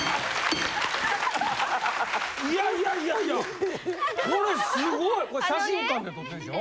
いやいやこれすごい写真館で撮ってるんでしょ？